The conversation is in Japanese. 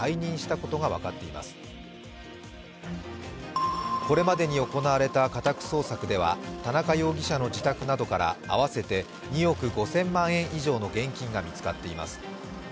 これまでに行われた家宅捜索では田中容疑者の自宅などから合わせて２億５０００万円以上の現金が見つかっています。